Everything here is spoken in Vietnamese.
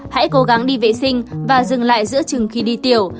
hãy cố gắng đi vệ sinh và dừng lại giữa chừng khi đi tiểu